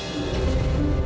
maksud bapak saya dipecat